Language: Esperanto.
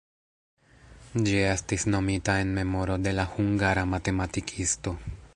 Ĝi estis nomita en memoro de la hungara matematikisto.